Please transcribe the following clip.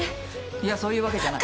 いやそういうわけじゃない。